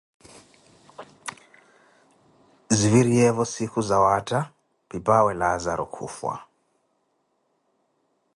Ziviriyevo siikhu zawaatha, pipaawe Laazaro kufwa